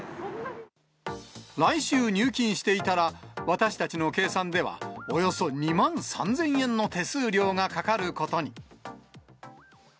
来週入金していたら、私たちの計算では、およそ２万３０００円の手数料がかかることに。